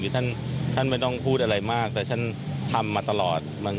ท่านไม่ต้องพูดอะไรมากแต่ฉันทำมาตลอด